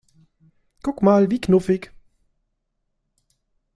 Guck mal, wie knuffig!